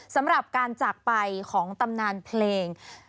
สำหรับการจากไปของตำนานเพลง